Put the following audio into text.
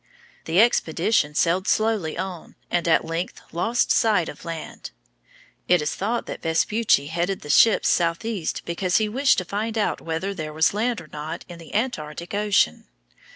The expedition sailed slowly on and at length lost sight of land. It is thought that Vespucci headed the ships southeast because he wished to find out whether there was land or not in the Antarctic Ocean.